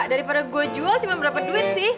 daripada gue jual cuma berapa duit sih